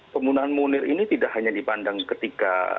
pembunuhan munir ini tidak hanya dipandang ketika